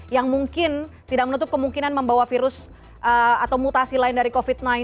yang mungkin tidak menutup kemungkinan membawa virus atau mutasi lain dari covid sembilan belas